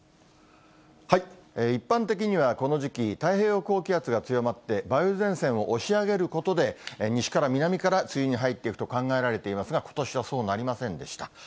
一般的には、この時期、太平洋高気圧が強まって、梅雨前線を押し上げることで、西から南から梅雨に入っていくと考えられていますが、ことしはそうなりませんでした。